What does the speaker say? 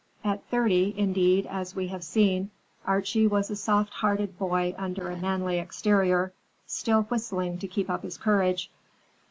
At thirty, indeed, as we have seen, Archie was a soft hearted boy under a manly exterior, still whistling to keep up his courage.